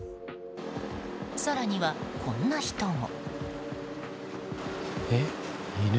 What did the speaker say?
更には、こんな人も。